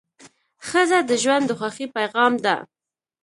ښځه د ژوند د خوښۍ پېغام ده.